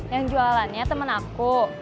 yang jualannya temen aku